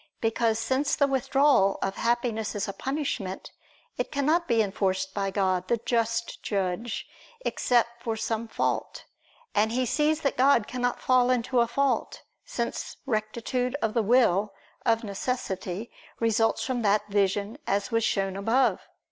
Because, since the withdrawal of Happiness is a punishment, it cannot be enforced by God, the just Judge, except for some fault; and he that sees God cannot fall into a fault, since rectitude of the will, of necessity, results from that vision as was shown above (Q.